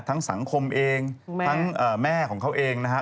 สังคมเองทั้งแม่ของเขาเองนะฮะ